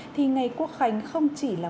thì ngày quốc khánh không chỉ là